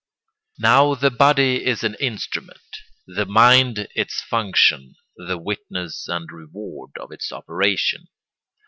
Now the body is an instrument, the mind its function, the witness and reward of its operation.